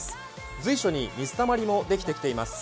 随所に水たまりもできてきています。